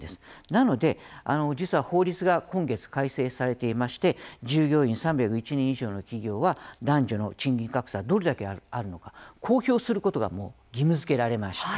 なので実は法律が今月改正されていまして従業員３０１人以上の企業は男女の賃金格差どれだけあるのか公表することが義務づけられました。